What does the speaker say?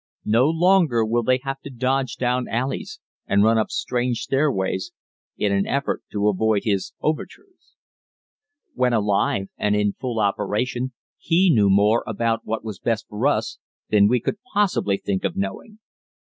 No longer will they have to dodge down alleys and run up strange stairways in an effort to avoid his overtures. [Illustration: Douglas Fairbanks in "The Good Bad Man"] When alive and in full operation he knew more about what was best for us than we could possibly think of knowing.